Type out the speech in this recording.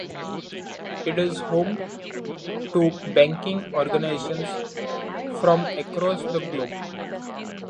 It is home to banking organisations from across the globe.